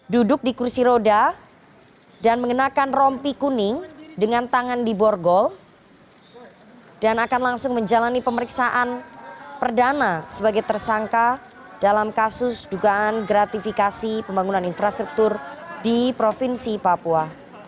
duduk di kursi roda dan mengenakan rompi kuning dengan tangan di borgol dan akan langsung menjalani pemeriksaan perdana sebagai tersangka dalam kasus dugaan gratifikasi pembangunan infrastruktur di provinsi papua